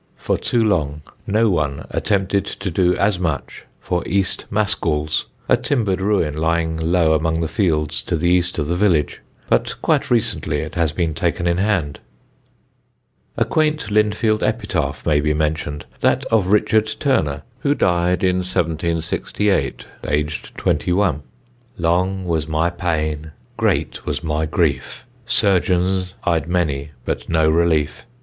For too long no one attempted to do as much for East Mascalls, a timbered ruin lying low among the fields to the east of the village; but quite recently it has been taken in hand. [Illustration: East Mascalls before renovation.] A quaint Lindfield epitaph may be mentioned: that of Richard Turner, who died in 1768, aged twenty one: Long was my pain, great was my grief, Surgeons I'd many but no relief.